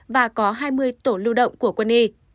và có hai mươi tổ lưu động của quân y